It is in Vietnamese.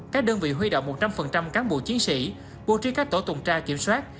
các đơn vị huy động một trăm linh cán bộ chiến sĩ bố trí các tổ tùng tra kiểm soát